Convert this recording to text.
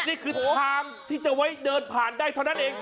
นี่คือทางที่จะไว้เดินผ่านได้เท่านั้นเอง